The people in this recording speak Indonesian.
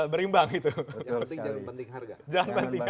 berimbang jangan penting harga